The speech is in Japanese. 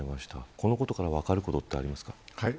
このことから分かることはありますか。